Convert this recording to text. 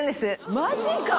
マジか。